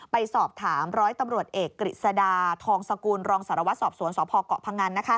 ไปสอบถามร้อยตำรวจเอกกฤษดาทองสกุลรองสารวัตรสอบสวนสพเกาะพงัน